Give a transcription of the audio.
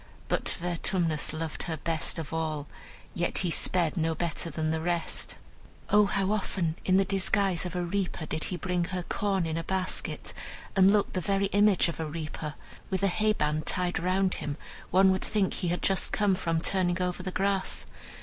But Vertumnus loved her best of all; yet he sped no better than the rest. O how often, in the disguise of a reaper, did he bring her corn in a basket, and looked the very image of a reaper! With a hay band tied round him, one would think he had just come from turning over the grass.